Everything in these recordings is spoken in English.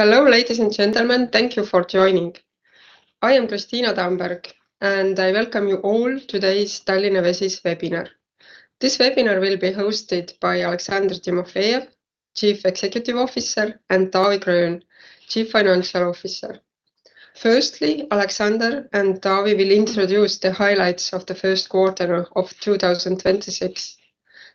Hello, ladies and gentlemen. Thank you for joining. I am Kristiina Tamberg, and I welcome you all to today's Tallinna Vesi's webinar. This webinar will be hosted by Aleksandr Timofejev, Chief Executive Officer, and Taavi Gröön, Chief Financial Officer. Firstly, Aleksandr and Taavi will introduce the highlights of the first quarter of 2026.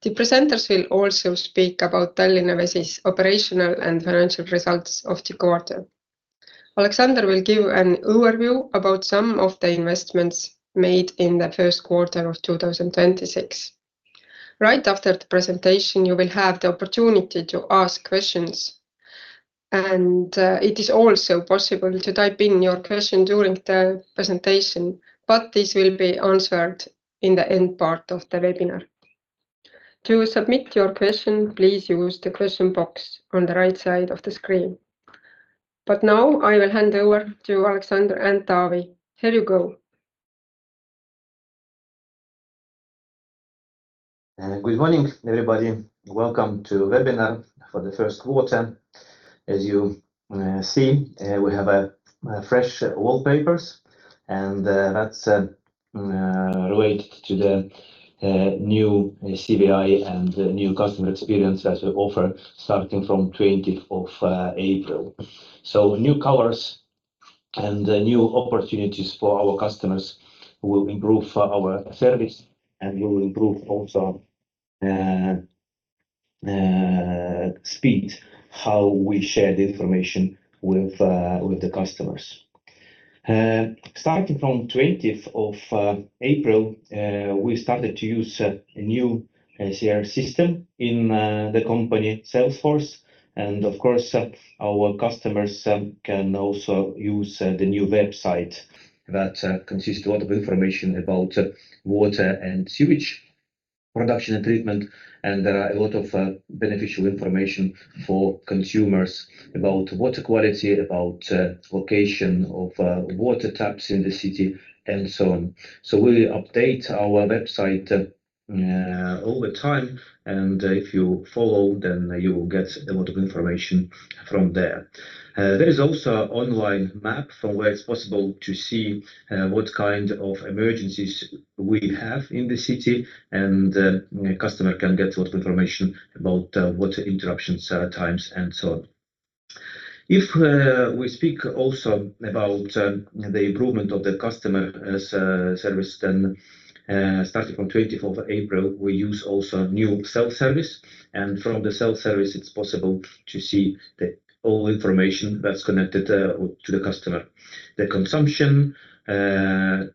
The presenters will also speak about Tallinna Vesi's operational and financial results of the quarter. Aleksandr will give an overview about some of the investments made in the first quarter of 2026. Right after the presentation, you will have the opportunity to ask questions, and it is also possible to type in your question during the presentation, but this will be answered in the end part of the webinar. To submit your question, please use the question box on the right side of the screen. Now, I will hand over to Aleksandr and Taavi. Here you go. Good morning, everybody. Welcome to webinar for the first quarter. As you see, we have a fresh wallpapers, that's related to the new CVI and the new customer experience that we offer starting from 20th of April. New colors and new opportunities for our customers will improve our service and will improve also speed, how we share the information with the customers. Starting from 20th of April, we started to use a new CRM system in the company Salesforce. Of course, our customers can also use the new website that consists a lot of information about water and sewage production and treatment. There are a lot of beneficial information for consumers about water quality, about location of water taps in the city, and so on. We update our website all the time. If you follow, then you will get a lot of information from there. There is also online map from where it's possible to see what kind of emergencies we have in the city. A customer can get a lot of information about water interruptions, times, and so on. If we speak also about the improvement of the customer service, then starting from 20th of April, we use also new self-service. From the self-service, it's possible to see the all information that's connected to the customer. The consumption, bills,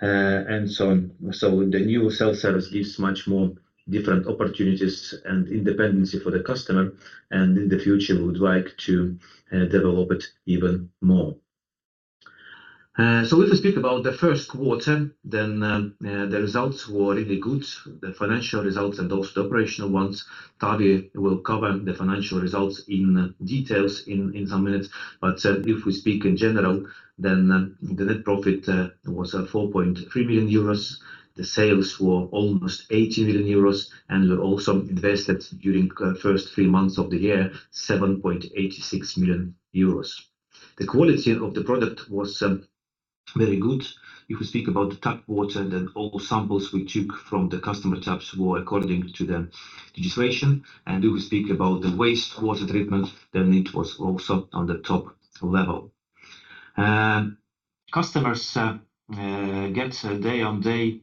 and so on. The new self-service gives much more different opportunities and independency for the customer and in the future would like to develop it even more. If we speak about the first quarter, then the results were really good, the financial results and also the operational ones. Taavi will cover the financial results in details in some minutes. If we speak in general, then the net profit was 4.3 million euros. The sales were almost 80 million euros, and we also invested during first three months of the year, 7.86 million euros. The quality of the product was very good. If we speak about the tap water, then all samples we took from the customer taps were according to the legislation. If we speak about the wastewater treatment, then it was also on the top level. Customers get a day-on-day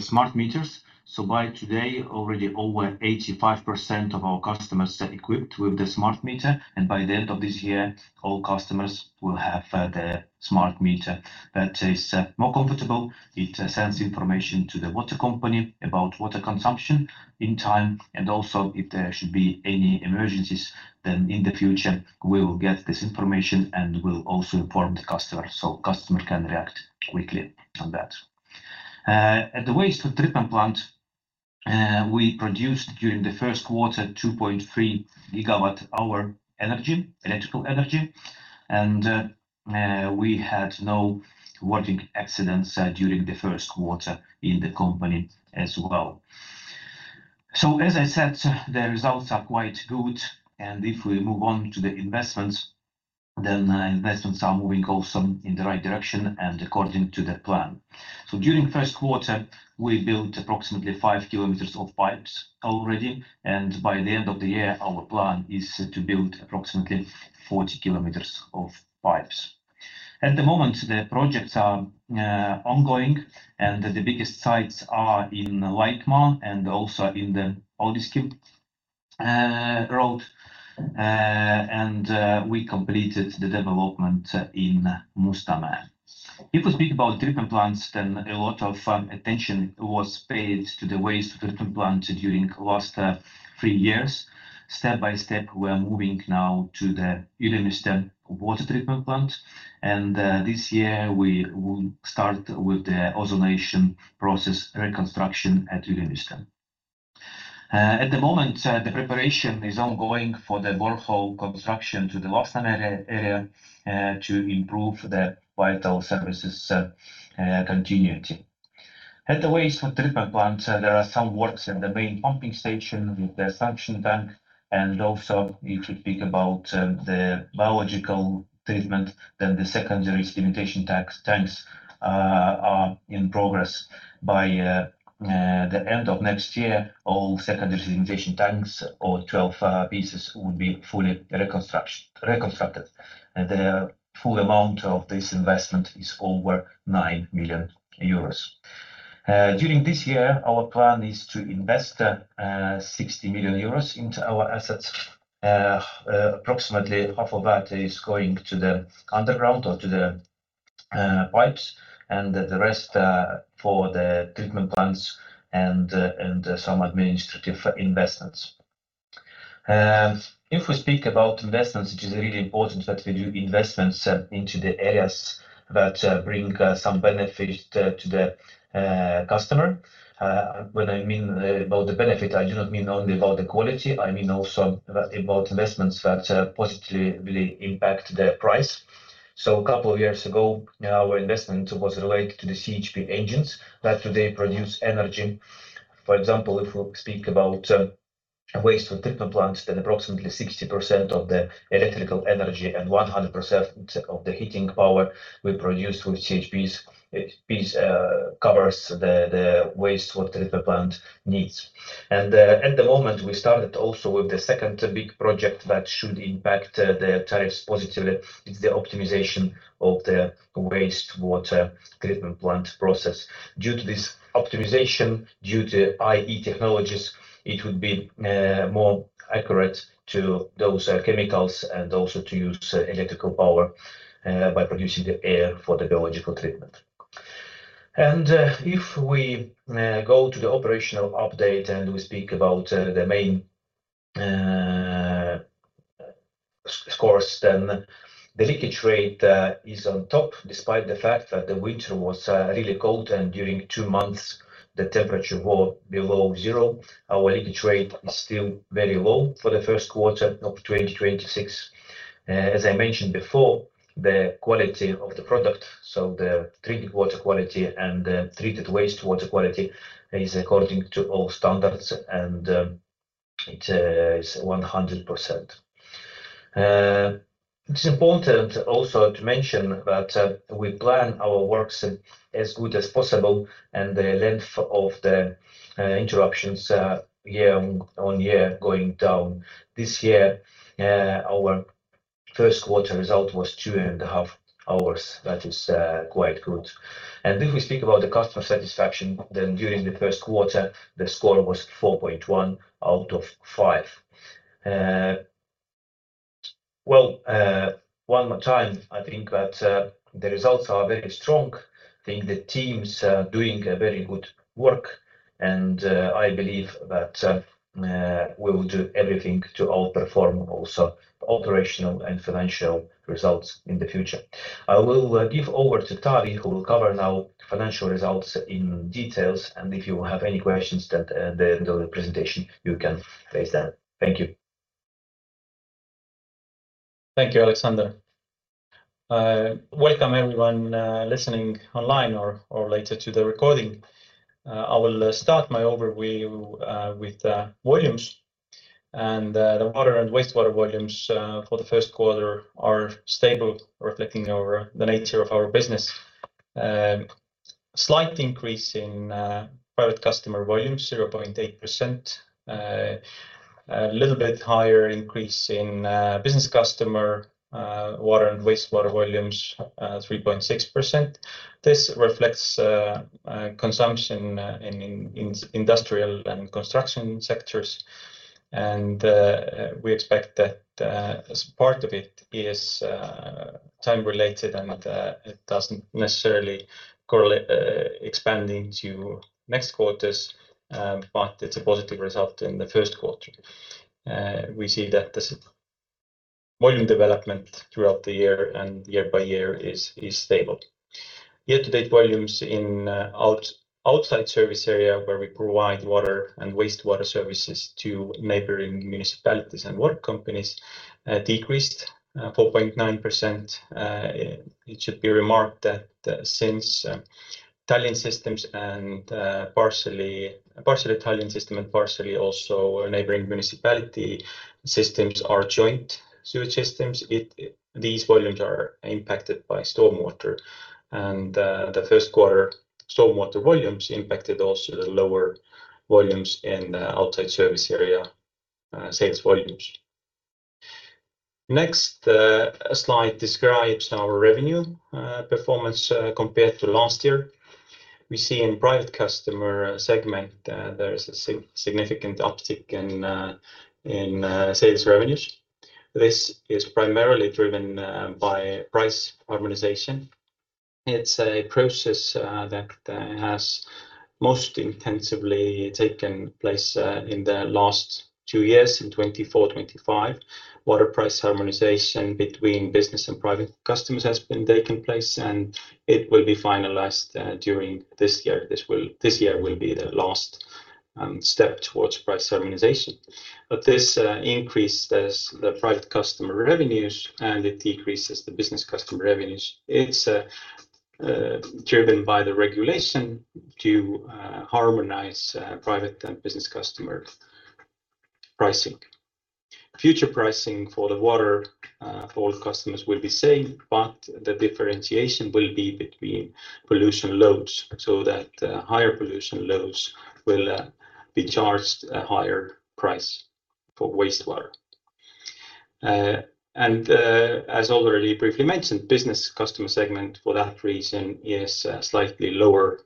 smart meters. By today, already over 85% of our customers are equipped with the smart meter, and by the end of this year, all customers will have the smart meter. That is more comfortable. It sends information to the water company about water consumption in time, and also if there should be any emergencies, then in the future, we will get this information and will also inform the customer, so customer can react quickly on that. At the wastewater treatment plant, we produced during the first quarter 2.3 GWh energy, electrical energy, and we had no working accidents during the first quarter in the company as well. As I said, the results are quite good, and if we move on to the investments, then investments are moving also in the right direction and according to the plan. During first quarter, we built approximately five kilometers of pipes already, and by the end of the year, our plan is to build approximately 40 km of pipes. At the moment, the projects are ongoing, and the biggest sites are in Laikmaa and also in the Ülemiste road. We completed the development in Mustamäe. If we speak about treatment plants, then a lot of attention was paid to the wastewater treatment plant during last three years. Step by step, we are moving now to the Ülemiste water treatment plant, and this year, we will start with the ozonation process reconstruction at Ülemiste. At the moment, the preparation is ongoing for the borehole construction to the Loksa area to improve the vital services continuity. At the wastewater treatment plant, there are some works in the main pumping station with the suction tank, and also we should speak about the biological treatment. The secondary sedimentation tanks are in progress. By the end of next year, all secondary sedimentation tanks or 12 pieces will be fully reconstructed. The full amount of this investment is over 9 million euros. During this year, our plan is to invest 60 million euros into our assets. Approximately half of that is going to the underground or to the pipes and the rest for the treatment plants and some administrative investments. If we speak about investments, it is really important that we do investments into the areas that bring some benefit to the customer. When I mean about the benefit, I do not mean only about the quality, I mean also about investments that positively impact the price. A couple of years ago, our investment was related to the CHP engines that today produce energy. For example, if we speak about wastewater treatment plants, then approximately 60% of the electrical energy and 100% of the heating power we produce with CHPs. It covers the wastewater treatment plant needs. At the moment, we started also with the second big project that should impact the tariffs positively. It's the optimization of the wastewater treatment plant process. Due to this optimization, due to AI technologies, it would be more accurate to dose chemicals and also to use electrical power by producing the air for the biological treatment. If we go to the operational update and we speak about the main scores, then the leakage rate is on top. Despite the fact that the winter was really cold and during two months the temperature was below zero, our leakage rate is still very low for the first quarter of 2026. As I mentioned before, the quality of the product, so the drinking water quality and the treated wastewater quality is according to all standards, and it is 100%. It is important also to mention that we plan our works as good as possible and the length of the interruptions year on year going down. This year, our first quarter result was 2.5 hours. That is quite good. If we speak about the customer satisfaction, then during the first quarter, the score was 4.1 out of 5. One more time, I think that the results are very strong. I think the teams are doing a very good work, I believe that we will do everything to outperform also operational and financial results in the future. I will give over to Taavi, who will cover now financial results in details. If you have any questions that during the presentation, you can raise them. Thank you. Thank you, Aleksandr. Welcome everyone, listening online or later to the recording. I will start my overview with volumes. The water and wastewater volumes for the first quarter are stable, reflecting over the nature of our business. Slight increase in private customer volumes, 0.8%. A little bit higher increase in business customer water and wastewater volumes, 3.6%. This reflects consumption in industrial and construction sectors. We expect that as part of it is time related and that it doesn't necessarily expand into next quarters, but it's a positive result in the first quarter. We see that the volume development throughout the year and year by year is stable. Year to date volumes in outside service area where we provide water and wastewater services to neighboring municipalities and work companies decreased 4.9%. It should be remarked that since Tallinn systems and partially Tallinn system and partially also neighboring municipality systems are combined sewer systems, these volumes are impacted by stormwater. The first quarter stormwater volumes impacted also the lower volumes in the outside service area sales volumes. Next slide describes our revenue performance compared to last year. We see in private customer segment there is a significant uptick in sales revenues. This is primarily driven by price harmonization. It's a process that has most intensively taken place in the last two years, in 2024, 2025. Water price harmonization between business and private customers has been taking place, and it will be finalized during this year. This year will be the last step towards price harmonization. This increases the private customer revenues, and it decreases the business customer revenues. It's driven by the regulation to harmonize private and business customer pricing. Future pricing for the water for all customers will be same, the differentiation will be between pollution loads, so that higher pollution loads will be charged a higher price for wastewater. As already briefly mentioned, business customer segment for that reason is slightly lower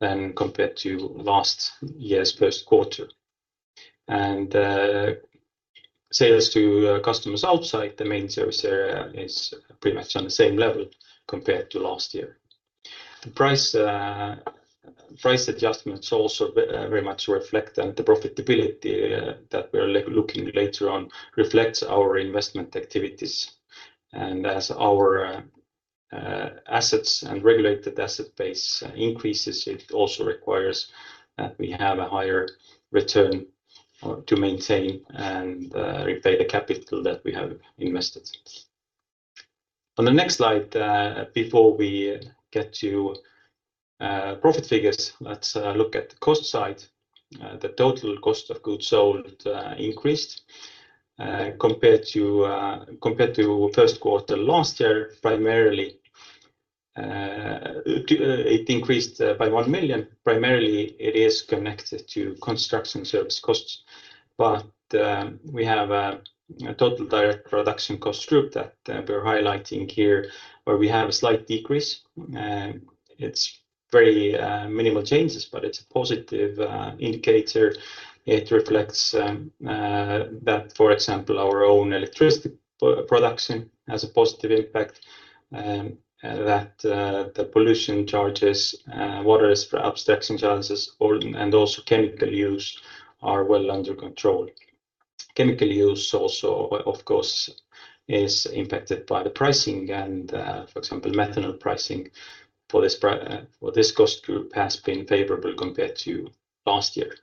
than compared to last year's first quarter. Sales to customers outside the main service area is pretty much on the same level compared to last year. The price adjustments also very much reflect, and the profitability, that we're looking later on reflects our investment activities. As our assets and regulated asset base increases, it also requires that we have a higher return to maintain and repay the capital that we have invested. On the next slide, before we get to profit figures, let's look at cost side. The total cost of goods sold increased compared to compared to first quarter last year, primarily to it increased by 1 million. Primarily, it is connected to construction service costs. We have a total direct production cost group that we're highlighting here, where we have a slight decrease. It's very minimal changes, but it's a positive indicator. It reflects that, for example, our own electricity production has a positive impact, that the pollution charges, water abstraction charges, and also chemical use are well under control. Chemical use also, of course, is impacted by the pricing and, for example, methanol pricing for this cost group has been favorable compared to last year.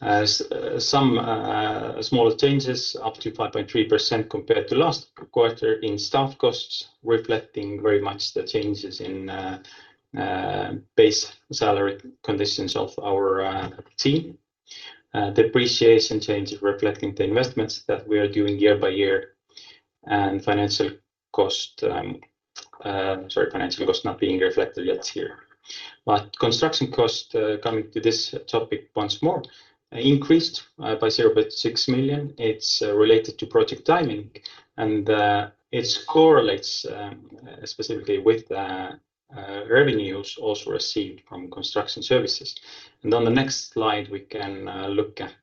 Some smaller changes, up to 5.3% compared to last quarter in staff costs, reflecting very much the changes in base salary conditions of our team. Depreciation changes reflecting the investments that we are doing year by year. Financial cost, sorry, financial cost not being reflected yet here. Construction cost, coming to this topic once more, increased by 0.6 million. It's related to project timing. It correlates specifically with the revenues also received from construction services. On the next slide, we can look at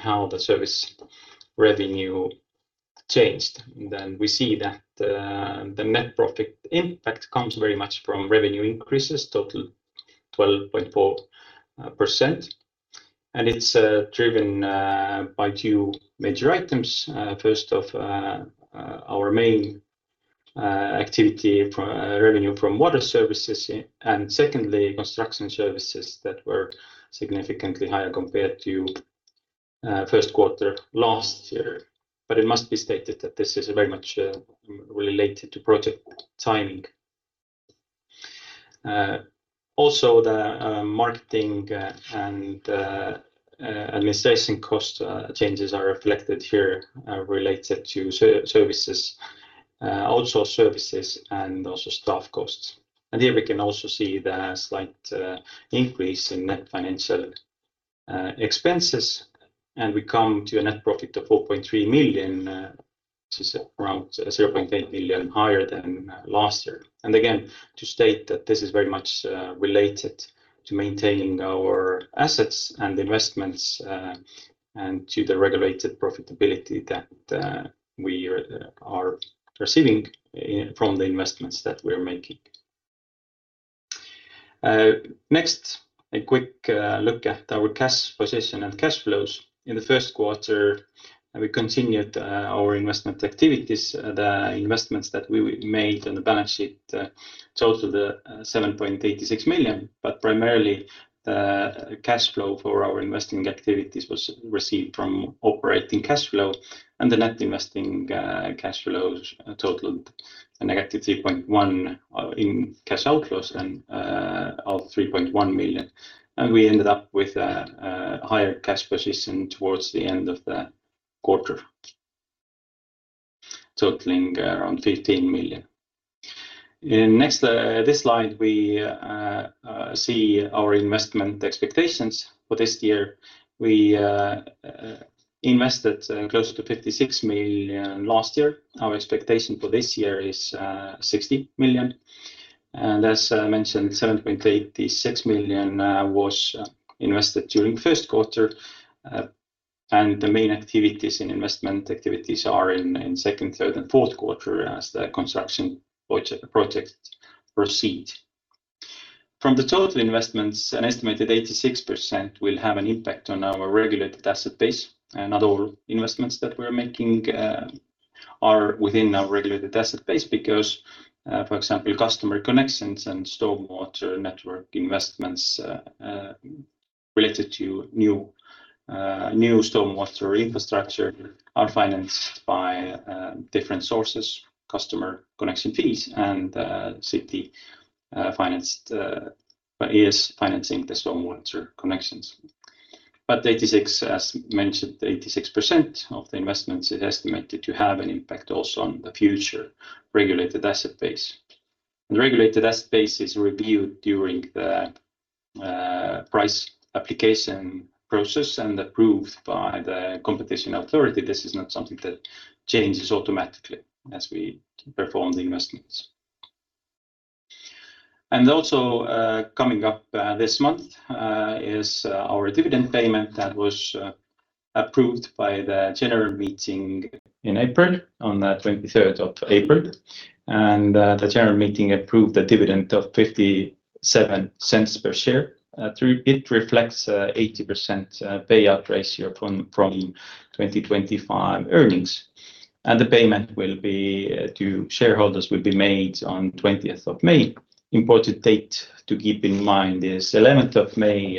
how the service revenue changed. We see that the net profit impact comes very much from revenue increases, total 12.4%. It's driven by 2 major items. First off, our main activity from revenue from water services. Secondly, construction services that were significantly higher compared to first quarter last year. It must be stated that this is very much related to project timing. Also the marketing and administration cost changes are reflected here, related to services, outsource services and also staff costs. Here we can also see the slight increase in net financial expenses. We come to a net profit of 4.3 million, which is around 0.8 million higher than last year. Again, to state that this is very much related to maintaining our assets and investments, and to the regulated profitability that we are receiving from the investments that we're making. Next, a quick look at our cash position and cash flows. In the first quarter, we continued our investment activities. The investments that we made on the balance sheet totaled 7.86 million. Primarily, the cash flow for our investing activities was received from operating cash flow, and the net investing cash flows totaled a negative 3.1 in cash outflows and of 3.1 million. We ended up with a higher cash position towards the end of the quarter, totaling around 15 million. In next this slide, we see our investment expectations for this year. We invested closer to 56 million last year. Our expectation for this year is 60 million. As I mentioned, 7.86 million was invested during first quarter. The main activities in investment activities are in second, third, and fourth quarter as the construction projects proceed. From the total investments, an estimated 86% will have an impact on our regulated asset base and other investments that we're making are within our regulated asset base because, for example, customer connections and stormwater network investments related to new stormwater infrastructure are financed by different sources, customer connection fees, and city financed is financing the stormwater connections. 86%, as mentioned, 86% of the investments is estimated to have an impact also on the future regulated asset base. The regulated asset base is reviewed during the price application process and approved by the Competition Authority. This is not something that changes automatically as we perform the investments. Also, coming up this month is our dividend payment that was approved by the general meeting in April, on the 23rd of April. The general meeting approved a dividend of 0.57 per share. It reflects 80% payout ratio from 2025 earnings. The payment to shareholders will be made on 20th of May. Important date to keep in mind is 11th of May,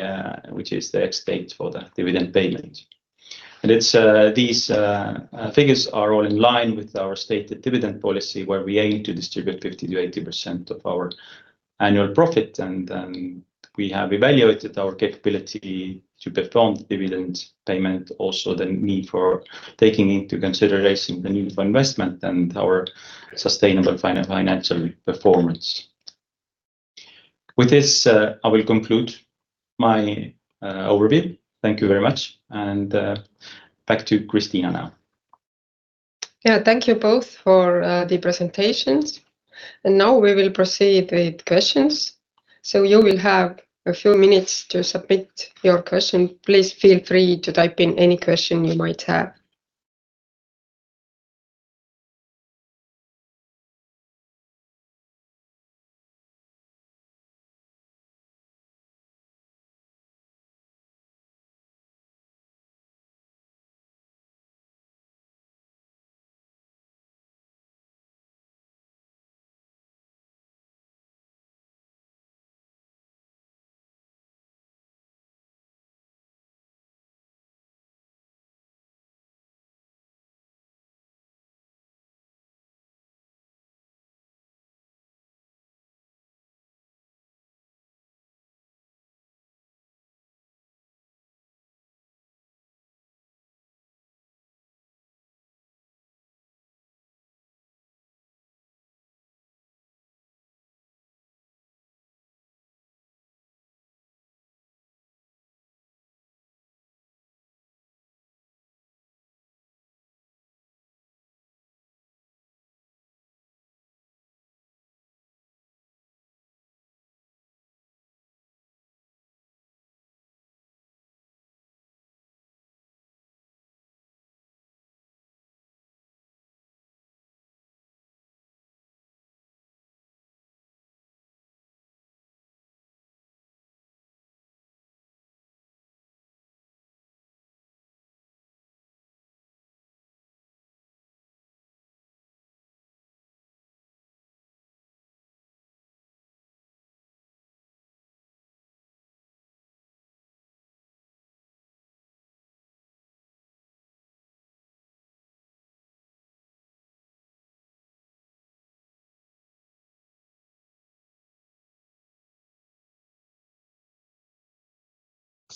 which is the ex-date for the dividend payment. It's these figures are all in line with our stated dividend policy, where we aim to distribute 50%-80% of our annual profit. We have evaluated our capability to perform the dividend payment, also the need for taking into consideration the need for investment and our sustainable financial performance. With this, I will conclude my overview. Thank you very much. Back to Kristiina now. Yeah, thank you both for the presentations. Now we will proceed with questions. You will have a few minutes to submit your question. Please feel free to type in any question you might have.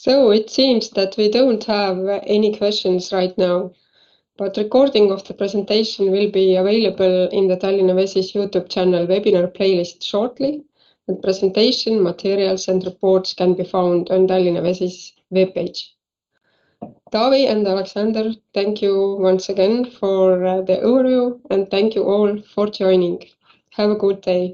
It seems that we don't have any questions right now, but recording of the presentation will be available in the Tallinna Vesi's YouTube channel webinar playlist shortly. Presentation materials and reports can be found on Tallinna Vesi's webpage. Taavi and Aleksandr, thank you once again for the overview, and thank you all for joining. Have a good day.